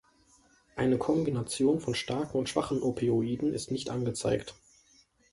Eine Kombination von starken und schwachen Opioiden ist nicht angezeigt.